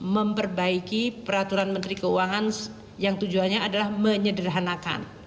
memperbaiki peraturan menteri keuangan yang tujuannya adalah menyederhanakan